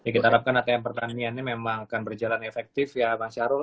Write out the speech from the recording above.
kita harapkan atm pertanian ini memang akan berjalan efektif ya pak syarul